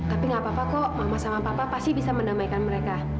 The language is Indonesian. tapi gak apa apa kok mama sama papa pasti bisa mendamaikan mereka